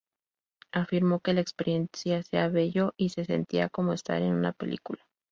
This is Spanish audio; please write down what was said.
Afirmó que la experiencia sea "bello" y se sentía como estar en una película.